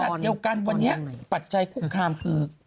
และขณะเดียวกันวันนี้ปัจจัยคุณค่ะคือ